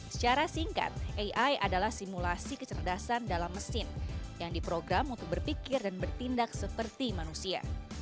secara singkat ai adalah simulasi kecerdasan dalam mesin yang diprogram untuk berpikir dan bertindak seperti manusia